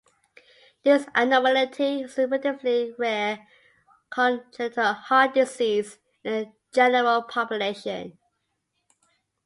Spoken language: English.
This abnormality is a relatively rare congenital heart disease in the general population.